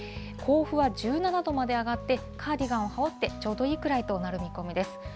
甲府は１７度まで上がって、カーディガンを羽織ってちょうどいいくらいとなる見込みです。